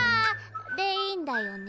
でいいんだよね？